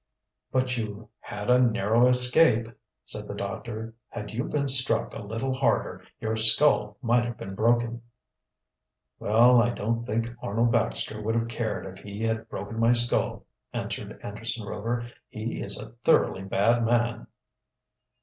"But you had a narrow escape," said the doctor. "Had you been struck a little harder your skull might have been broken." "Well, I don't think Arnold Baxter would have cared if he had broken my skull," answered Anderson Rover. "He is a thoroughly bad man."